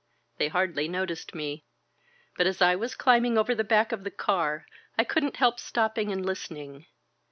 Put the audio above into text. They hardly noticed me. But as I was climb ing over the back of the car I couldn't help stopping and listening.